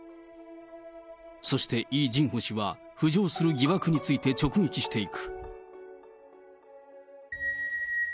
そして、イ・ジンホ氏は、浮上する疑惑について直撃していく。